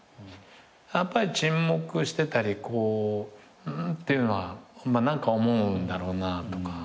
やっぱり沈黙してたり「ん」っていうのは何か思うんだろうなとか。